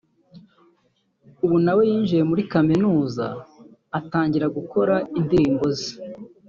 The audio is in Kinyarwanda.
ubu nawe yinjiye muri muzika atangira gukora indirimbo ze